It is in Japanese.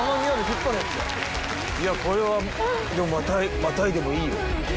いやこれはまたいでもいいよ。